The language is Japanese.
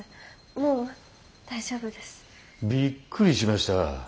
びっくりしました。